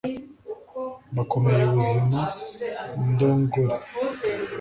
bakomeye ubuzima indongore,